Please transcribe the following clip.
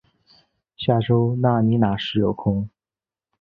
下周你那时有空